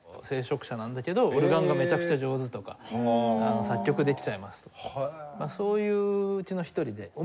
聖職者なんだけどオルガンがめちゃくちゃ上手とか作曲できちゃいますとそういううちの一人で。